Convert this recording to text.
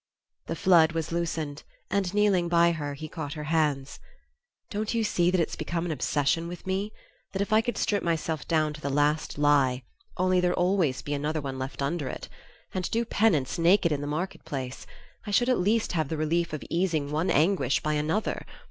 The flood was loosened, and kneeling by her he caught her hands. "Don't you see that it's become an obsession with me? That if I could strip myself down to the last lie only there'd always be another one left under it! and do penance naked in the market place, I should at least have the relief of easing one anguish by another?